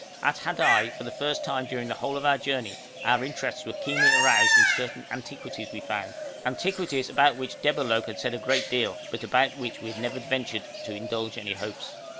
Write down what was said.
At Hadai for the first time during the whole of our journey our interests were keenly aroused in certain antiquities we found antiquities about which Debalohp had said a good deal, but about which we had never ventured to indulge any hopes.